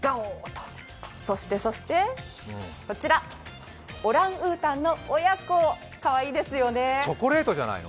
そしてそして、こちら、オランウータンの親子、かわいいですよね。